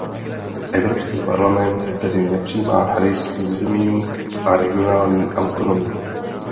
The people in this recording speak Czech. Evropský parlament tedy nepřijímá hry s územní a regionální autonomií.